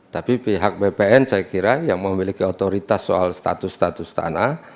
tapi pihak bpn saya kira yang memiliki otoritas soal status status tanah